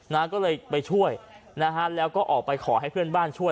นะก็เลยไปช่วยนะฮะแล้วก็ออกไปขอให้เพื่อนบ้านช่วย